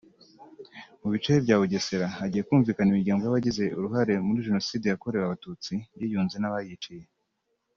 Mu bice bya Bugesera hagiye kumvikana imiryango y’abagize uruhare muri Jenoside yakorewe Abatutsi yiyunze n’abayiciye